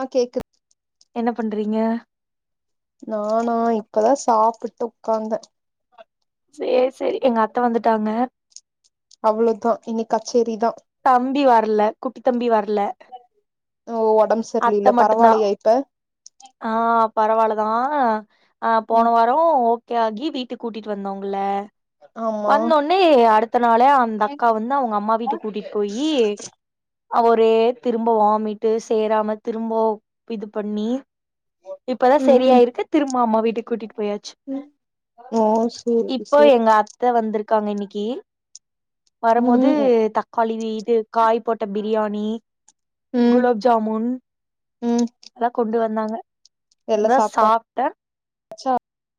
ஆ கேக்கு என்ன பண்றீங்க நானா இப்பதா சாப்பிட்டு உக்காந்தெ சேரி சேரி எங்க அத்த வந்துட்டாங்க அவ்ளதா இனி கச்சேரி தா தம்பி வர்ல குட்டி தம்பி வர்ல ஓ ஒடம்பு அத்த சரியில்ல மட்டுந்தா பரவாயில்லையா இப்ப ஆ பரவால்ல ஆ ஆ போன ம் வாரொ ஓ ரியாகி வீட்டு கூட்டிட் வந்தோங்கல்ல ஆமா வந்தொன்னே அடுத் தனாலே அந்த அக்கா வந்து அவுங்க அம்மா வீட்டுக் போயி அ ஒரே திரும்ப வாமிட்டு சேராம திரும்ப இது பண்ணி இப்பதா ம் சரியாயிருக்கு திரும்ப அம்மா வீட் டுக் கூட்டிட் போயாச்சு ம் ஓ சேரி இப்ப சேரி எங்க அத்த வந்திருக் க்காங்க இன்னக்கி வரும்மோது ம் தக்காளிவி இது காய் போட்ட பிரியாணி ம் குலோப் ஜாமுன் ம் அதா கொண்டு வர. சொன்னாங்க. எல்லா தா சாப்ட்டாச்சா சாப்ட.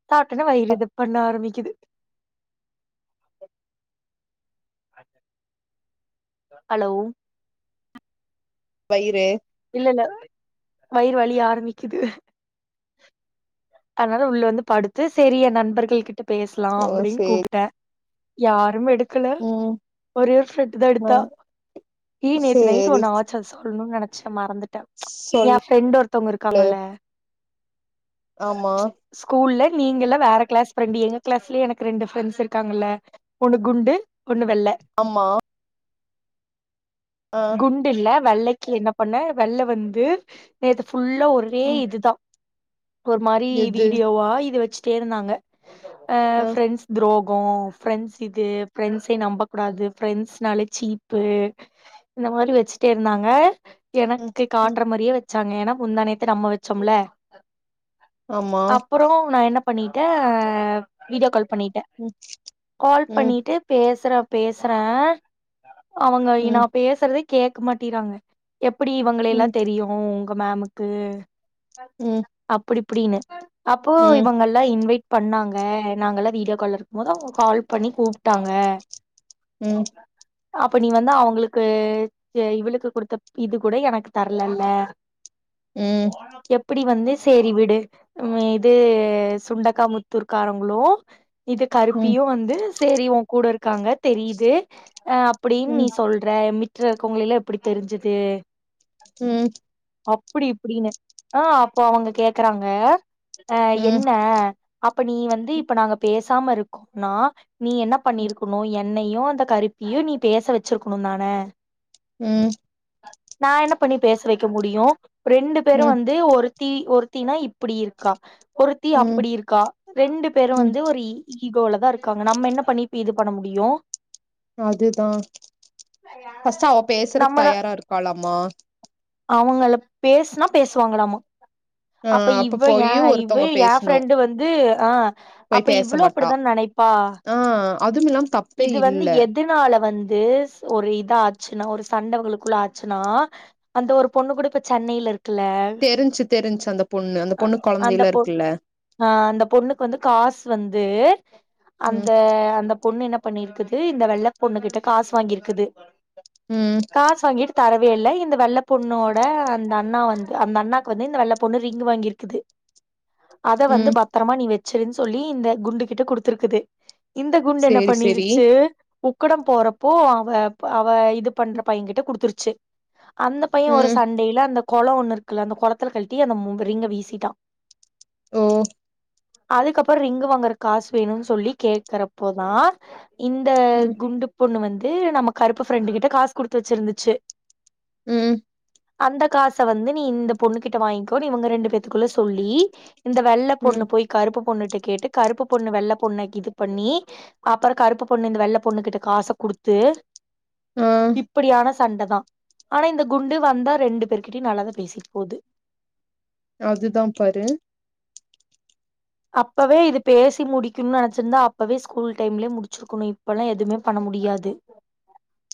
சாப்ட்டொன வயிறு இதுபண்ண ஆரம்பிக்கீது. [unintelligible] அலோ. வயிறு. இல்ல இல்ல வயிறு வலி ஆரம்பிக்கிது. அதனால உள்ள வந்து படுத்து சேரி என் நண்பர்கள் கிட். ட பேசலா ஓ அப்டின்னு சேரி கூப்ட்ட. யாரும் எடுத். எடுக்கல. ம் ஒரே ஒரு செட்டுதா ஆ எடுத்தா. ஏ நேத்து நைட் சேரி ஒன்னு ஆச்சு அத சொல்ணு நெனச். ச்ச மறந்து. ட்ட ம்ச் ஏ சொல்லு ஃப்ரெண்டு ஒருத்தவங்க இருக்காங்கல்ல. ஆமா. நீங்க எல்லா வேற கிளாஸ் ஃப்ரெண்டு எங்க கிளாஸ்லயே எனக்கு ரெண்டு ஃபரெண்ட்ஸ் இருக்காங்கல ஒன்னு குண்டு. ஒண்ணு வெள்ள. ஆமா ஆ குண்டு இல்ல. வெள்ளைக்கு என்ன பண்ண வெள்ள வந்து நேத்து. புல்லா ஒரே ம் இதுதா. ஒரு மாரி எது வீடியோவா இத வச்சு. கே இருந்தாங்க. அஹ ஆ ஃப்ரெண்ட்ஸ் துரோக். உ ஃப்ரெண்ட்ஸ்கிட்ட இது ஃப்ரெண்ட்ஸ நம்பக்கூடாது ஃபரெண்ட்ஸ்னாலே சீப்பு. இந்த மாரி வச்சுட்டே இருந்தாங்க. ம் எனக்கு ம் காட்ற மாரியே வச். வச்சாங்க ஏன்னா முந்தா நேத்து நம்ம வச்சம்ல. ஆமா அப்புறோ நா என்ன. பண்ணிட்ட வீடியோ கால். பண்ணிட்ட ம் கால் ம் பண்ணிட்டு பேசுற. பேசற. அவங்க ஐ ம் நா பேசுறதே. கேட்க மாட்டிங்கிறாங்க. எப்படி இவங்களயெல்லா தெரியு. உங்க மேமுக்கு உம் புடிப்புடின்னு அப்போ இவங்க எல்லாம் இன்வைட் பண்ணாங்க நாங்க எல்லாம் வீடியோ கால் இருக்கும் போது அவங்க கால் பண்ணி கூப்பிட்டாங்க உம் அப்ப நீ வந்து அவங்களுக்கு இவளுக்கு குடுத்த இது கூட எனக்கு தரலல ம் எப் எப்படி வந்து சேரி விடு இது சுண்டக்காமுத்தூர் காரங்களும் இது ம் கருப்பியும் வந்து சேரி உன் கூட இருக் இருக்காங்க தெரியுது அஹ் அப்படின்னு ம் நீ சொல்ற கொங்கையில எப்படி தெரிஞ்சது [unintelligible] உம் அப்படி இப்படின்னு ஆஹ் இப்ப அவங்க கேக்குறாங்க அஹ் ம் என்ன அப் இப்ப நீ வந்து இப்ப நாங்க பேசாம இருக்கோம்னா நீ என்ன பண்ணியிருக்கணும் என் என்னயும் அந்த கருப்பியும் நீ பேச வச்சிருக்கணும் தானே உம் நா என்ன பண்ணி பேச வைக்க முடியும் ரெண்டு பேரும் ம் வந்து ஒரு தி ஒருத்தினா இப்படி இருக்கா ஒருத்தி ம் அப்படி இருக்கா ரெண்டு பேரும் ம் வந்து ஒரு ஈகோல தான் இருக்காங்க நம்ம என்ன பண்ணி இப்ப இது பண்ண முடியும் அதுதான் பஸ்ட் அவா பேசுறக்கு நம்மன தயாரா இருக்காளாமா அவங்கள பேசுனா பேசுவாங்களாம ஆ அப்ப இவ போயி ஏன் இவ ஒருத்தவங்க என் பேசணு பிரிண்ட்டு வந்து ஆஹ் அப்ப போய் பேச இவ்வளவு மாட்டா அப்படிதான் நினைப்பா ஆ அதும் இல்லாம தப்பே இது வந்து இல்ல எதனால வந்து ஒரு இதா சின்ன ஒரு சண்ட உங்களுக்குள்ள ஆச்சுன்னா அந்த ஒரு பொண்ணு கூட இப்ப சென்னையில இருக் குலா தெரிஞ்சு தெரிஞ்சு அந்த பொண்ணு அந்த பொண்ணு அந்த கொழந்தைலா பொண் இருக்குல்ல அஹ் அந்த பொண்ணுக்கு வந்து காசு வந்து ச [unintelligible] ம் அந்த அந்த பொண்ணு என்ன பண்ணிருக்குது இந்த வெள்ள பொண்ணு கிட்ட காசு வாங்கியிருக்குது ம் காசு வங்கிட்டு தரவே இல்ல இந்த வெள்ள பொண்ணோட அந்த அண்ணா வந்து அந்த அண்ணா க்கு வந்து இந்த வெள்ள பொண்ணு ரிங்க் வாங்கிருக்குது அத வந்து ம் பத்திரமா நீ வெ சிரின்னு சொல்லி இந்த குண்டு கிட்ட கொடுத்துருக்குது இந்த குண்டு என்ன சேரி சேரி பண்ணிருச்சு உக்கடம் போறப்போ வாப் அவா து பண்ற பையன் கிட்ட கொடுத் செரி அந்த பையன் ஒரு ம் சண்டேயில்ல அந்த கொளம் ஒன்னு இருக்குல்ல அந்த குல த்தல கல்டி அந்த மொக ரிங்க வீசிட்டா ஓ அதுக்கப்புறம் ரிங்கு வாங்குற காசு வேணும்னு சொல்லி கேக்குறப்போதான் இந்த ம் குண்டு பொண்ணு வந் து நம்ம கருப்பு ஃப்ரெண்டுகிட்ட காசு குடுத்து வச்சிருந்துச்சு உம் அந்த காச வந்து நீ இந்த பொண்ணு கிட்ட வாங்கிக்கோ இவங்க ரெண்டு பேத்துக்குள்ள சொல்லி இந்த வெள்ள பொண்ணு ம் போய் கருப்பு பொண்ணுட்டு கேட்டு கருப்பு பொண்ணு வெள்ள பொண்ணு இது பண்ணி அப்புறம் கருப்பு பொண்ணு இந்த வெள்ள பொண்ணு கிட்ட காச குடுத்து ஆ இப்டியான சண்ட தான் ஆனா இந்த குண்டு வந்தா ரெண்டு பேரு கிடியும் நல்லா தான் பேசி போது அதுதான் பது அப்பவே இது பேசி முடிக்கணும்னு நினச்சிருந்தா அப்பவே ஸ்கூல் டைம்லே முடிச்சிருக்கணும் இப்பெல்லாம் எதுமே பண்ண முடியாது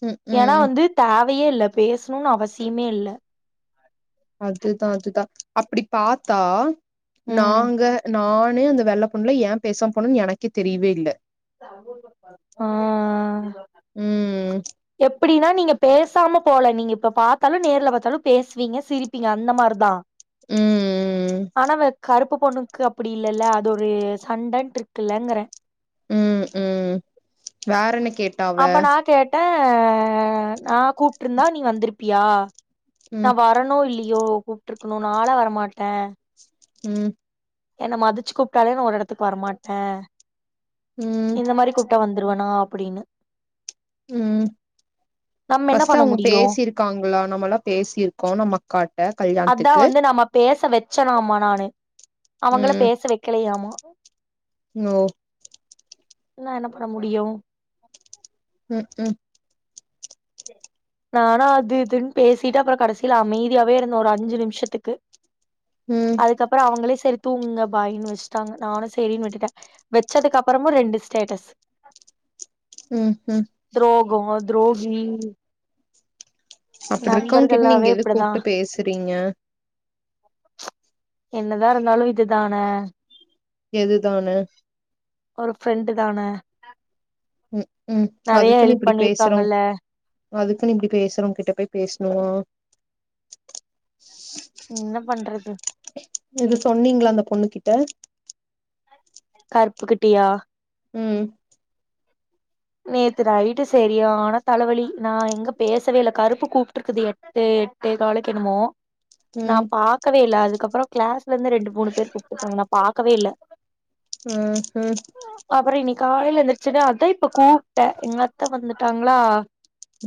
ம் ஏன்னா ம் வந்து தேவ் வையே இல்ல பேசணும்னு அவசியமே இல்ல அதுதான் அதுதான் அப்டி பாத்தா ம் நாங்க நானு அந்த வெள்ள பொண்ணுல ஏன் பேச போனும்ன்னனு எனக்கே தெரியவே இல்ல அ அ ம் ம் எப் ப்படின்னா நீங்க பேசாம போல நீங்க இப்ப பாத்தாலும் நேர்ல பாத்தாலும் பேசுவீங்க சிரிப்பீங்க அந்த மார்தான் ம் ஆனவ கருப்பு பொண்ணுக்கு அப்டி இல்லல்ல அது ஒரு சண்டன்ட்டு இருக்குல்லங்கறன் உம் உம் வேற என்ன கேட்டாவ ஊன் டாப் கூப்ட்டுயிருந்தா நீ வந்திருப் பியா ம் நான் வரணும் இல்லி ஐயோ கூப்பிட்டுருக்கணும் நாலா வரமாட்டன் உம் என்ன மதிச்சு கூப்டாலே ஒரு எடத்துக்கு வரமாட்டேன் ம் இந்த மாரி கூப்டா வந்துருவேனா அப்டின்னு உம் நம்ம என்ன பஸ்ட் பண்ண அவுங்க முடியு பேசியிருக்காங்களா நம்மளாம் பேசியிருக்கோம் நம்ம கட் அதான் வந்து நம்ம பேச வச்சனாமா நானு அவங்கள ம் பேச வெக்கலையாமா [inaudible] [unintelligible] நா என்ன பண்ண முடியும் உம் உஹம் நானா அது இதுன்னு பேசிட்டு அப்புறம் கடைசியில அமைதியாவே இருந்தோம் ஒரு அஞ்சு நிமிஷத்துக்கு ம் அதுக்கப்புறம் அவுங்களே சரி தூங்குங்க பாய்னு வச்சுட்டாங்க நானும் செரின்னு விட்டுட்டேன் வச்சதுக்கு அப்பறம் ரெண்டு ஸ்டேட்டஸ் ம் ம் ம் துரோகோ துரோகி ம் அப்டி இருக்கவுங்க கிட்ட நீங்க எது இப்டிதா கூப்டு பேசுறீங்க என்னதா இருந்தாலும் இதுதான எதுதான இதான உம் உம் அதுக்குன்னு இப்டி பேசுறோங் பண்ணிருக்காங்கல்ல அதுக்குன்னு இப்டி பேசுறவுங்ககிட்ட போய் பேசணுமா என்ன பண்றது இது சொன்னீங்ளா அந்த பொண்ணுக்கி ட்ட கருப்புகிட்டியா உம் நேத்து நைட்டு செரியானா தலைவலி நான் எங்க பேசவே இல்ல கருப்பு கூப்ட்டுருக்குது எட்டு எட்டேகாலுக்கு எணமோ நா ம் பாக்கவே இல்ல அது அக்கப்புறம் க்ளாஸ் லந்து ரண்டுமூணு பேர் கூப்ட்றுக்காங்கா நா பாக்கவே இல்ல ம் ம் காலயில எந்திரிச்சினா அதய் இப்ப கூப்பிட்டன் எங்க அத்தை வந்துட்டாங்ளா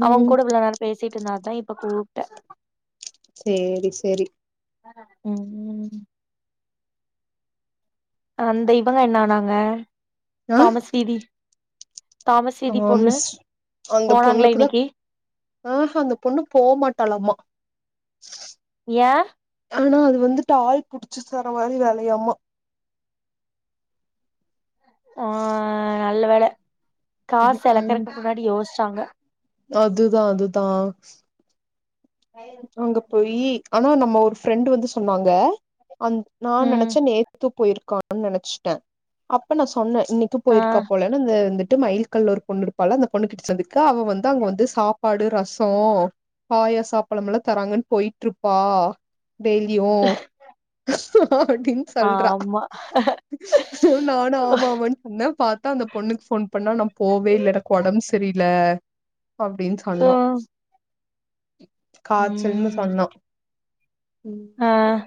அவன் ம் கூட இவ்வள நேரம் பேச [unintelligible] இருந்த தான் இப்ப கூப்பிட்டேன் சேரி சரி ம் அந்த இவங்க என்ன ஆனாங்க தாமஸ் வீதி தாமஸ் வீதி ம் பொண்ணு அந்த போனாங்களா பொண்ணுக்குதான் இன்னைக்கு ஆ அந்த பொண்ணு போ மாட்டாளாம்மா ச ஏன் ஆனா அது வந்துட்டு ஆள் புடிச்சு தர மாரி வேலையாமா ஒ நல்ல வேல காசு இழ்கறக்கு முன்னாடி யோசிச் சாங்க அதுதான் அதுதான் அங்க போயி ஆனா நம்ம ஒரு ஃபிரண்டு் வந்து சொன்னாங்க அந் நான் ம் நினைச்சேன் நேத்து போயிருக்கான்னு நினைச்சுட்டேன் அப்ப நா சொன்னே இன்னைக்கு ஆ போயிருக்கா போலன்ன அந்த த மயில் கல்ல ஒரு பொண்ணு இருப்பால் அந்த பொண்ணு கிட்ட சந்தி அவ வந்து அங்க வந்து சாப் பாடு ரசோம் பாய சாப் பழம்ல தராங்கன்னு போயிட்டு இருப்பா டெய்லியும் அப்படின்னு சொல்றா ஆமா நானும் ஆமா ஆமானு சொன்னேன் பாத்தான் அந்த பொண்ணுக்கு போன் பண்ணா நான் போவே இல்ல எனக்கு உடம்பு சரில அப்பிடின்னு சொன்னோம் ம் காய்ச்சல்ன்னு ம் சொன்னா ம் ஆ சரி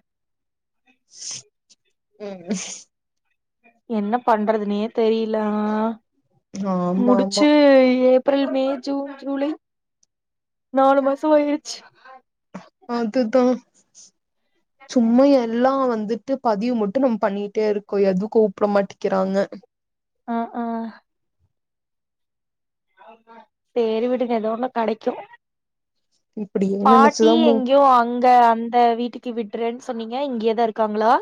ம் என்ன பண்றதுனே தெரில நா ஆமா ஆமா முடிச்சு ஏப் ஏப்ரல் மே ஜூன் ஜூலை நாலு மாசம் ஆயிருச்சு அது தான் சும்மா எல்லாம் வந்து விட்டு பதிவு மட்டும் நம்ம பண்ணிட்டே இருக்கோம் எதுவும் கூப்பிட மாட்டிக்கிறாங்க ஆஹ் ஆஹ் சரி விடுங்க எத ஒன்னு கடைக்கும் இப்டியே பாட்டி நெனச்சுதா மு எங்கோ அங்க அந்த வீட்டுக்கு விட்டுறேன் சொன்னீங்க இங்கே தான் இருக்காங்களா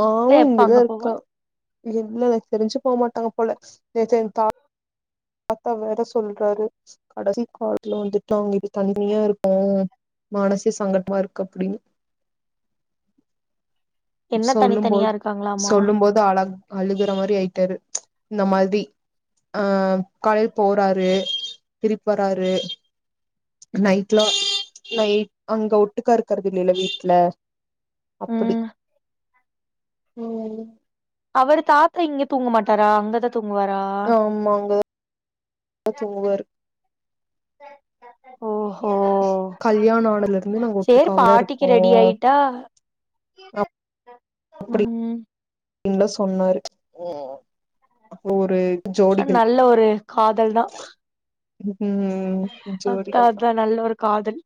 ஆம் இல்ல எப்ப அங்க இங்கதான் போவ இருக்கா இல்ல எனக்கு தெரிஞ்சு போகமாட்டாங்க போல நேத்து எங்க தா தாத்தா வேற சொல்றாரு கடைசி காலத்துல வந்துட்டா அங்க தனியா இருக்கும் மனசே சங்கட்டமா இருக்கு அப்டின்னு என்ன சொல்லும் போ தனித்தனியா இருக்காங்களாமா சொல்லும் போது அழ அழுகுற மாதிரி ஆயிட்டாரு இந்த மாதிரி ஆஹ் காலையில போறாரு திருப்பி வராரு நைட்லாம் நைட் அங்க ஒட்டுக்க இருக்காரு நில வீட்ல அப்டி ம் உம் அவரு தாத்தா இங்க தூங்க மாட்டாரா அங்க த ஆமாங்க தூங்குவாரு ஓ கல்யாண ஆனதுல இருந்து நாங்க ஒட்டுக்காவே இருக்கோம் உம் இன்ன சொன்னாரு அப்ப ஒரு ஜோடிகள் நல்ல ஒரு காதல் தான் ம் அதான் அதான் நல்ல ஒரு காதல்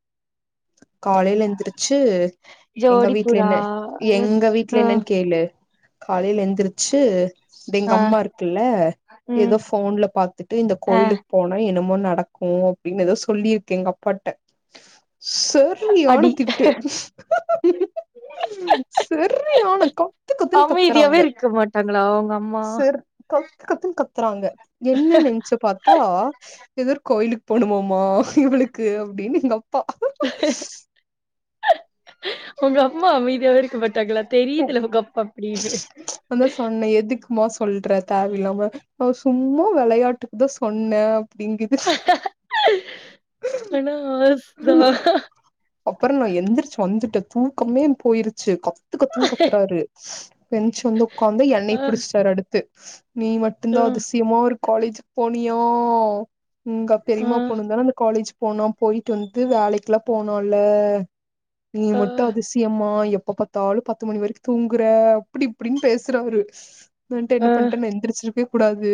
காலையில எந்திரிச்சு எங்க ஜோடி வீட்ல புறா என்ன எங்க வீட்ல ஆ என்னன்னு கேளு காலையில எந்திரிச்சு எங்க ஆ அம்மா இருக்குல்ல ம் ஏதோ போன்ல பாத்துட்டு இந்த அ கோயிலுக்கு போனும் என்னமோனு நடக்கும் அப்டின்னு ஏதோ சொல்லிருக்கு எங்க அப்பாட்ட சரியான அடி திட்டு சரியான கத்து கத்துன்னு அமைதியாவே கத்துறாங்க இருக்க மாட்டாங்களா உங்க அம்மா கத்துன்னு கத்துறாங்க என்ன நெஞ்சி பாத்தா ஏதோ ஒரு கோயிலுக்கு போனும்மாம்மா இவளுக்கு அப்டின்னு எங்க அப்பா உங்க அம்மா அமைதியாவே இருக்க மாட்டாங்களா தெரியுதுல உங்க அப்பா அப்டின்னு அதான் சொன்னேன் எதுக்கு மா சொல்ற தேவையில்லாம அவ சும்மா விளையாட்டுக்குதான் சொன்னேன் அப்டிங்கிது [unintelligible] [unintelligible] அப்பறம் நான் எந்திரிச்சு வந்துட்டன் தூக்கமே போயிருச்சு கத்து கத்துனு கத்துறாரு பெஞ்சு வந்து உட்காந்து ஆ எண்ணெய் ப புடிச்சிட்டாரு அடுத்து நீ ஆ மட்டு்தான் அதிசியமா இரு காலேஜ் போனியா உங்க ஆ பெரிமா பொண்ணுந்தானா அந்த காலேஜ் போனம் போயிட்டு வந்து வேலைக்குல போனா ல்ல நீ ஆ மட்டும் அதிசயமா எப் எப்ப பாத்தாளு பத்து மணி வரைக்கும் தூங்குற அப்டி இப்டின்னு பேசுறாரு நான்ட்டு என்ன ஆ பண்டேன் நா எந்திரிச்சி போய் கூடாது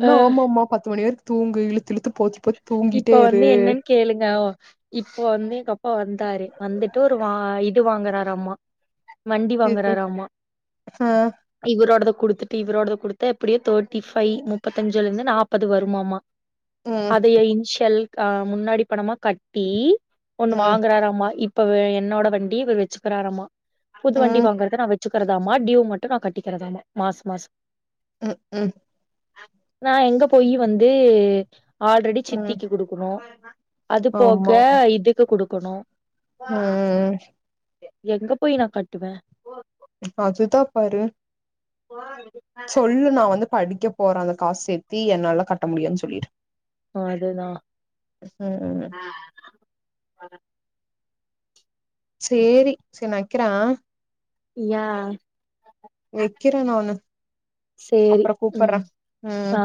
என்ன ஆ ஆமா ஆமா பத்து மணி வரை தூங்கு இழுத்துழுத்து இப்ப வந்து என்னன் கேளுங்க இப்போ வந்து எங்க அப்பா வந்தாரு வந்துட்டு ஒரு வா இது வாங்னாராமா வண்டி வாங்குறாராமா ஆ இவரோடத குடுத் இவரோட குடுத்த எப்டியோ தேர்டிைஃபை முப்பத்தஞ்சுல இருந்து நாப்பது வருமாமா ம் அதைய இன்ஷல் அஹ் முன்னாடி பணமா கட்டி ஒண்ணு ம் வாங்குறாராமா இப் இப்ப என்னோட வண்டி இவரு வச்சுக்கிறாறாமா புது ம் வண்டி வாங்குறத நான் வச்ச வச்சுக்கிறதாமா டியுவ் மட்டும் நான் கட்டிக்கிறதாமா மாசம் மாசம் உம் உஹம் நா எங்க போயி வந்து ஆல்ரெடி ம். சித்திக்கு குடுக்கணும் அது போக இதுக்கு குடுக்கணும் ம் ம் எங்க போய் நான் கட்டுவன் அதுதாப்பாரு [unintelligible] சொல்லு நான் வந்து படிக்கப் போற அந்த காசு சேத்தி என்னால கட்ட முடியாது சொல்லிடு அதுதான் ம். செரி சரி நா வெக்கிறா யா வேக்கிர ந ஒனு செரி உம் ம். ஆ